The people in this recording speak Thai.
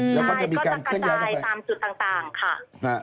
แล้วก็จะมีการเคลื่อนย้ายต่างค่ะ